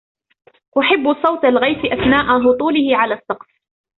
أحب صوت الغيث أثناء هطوله علی السقف.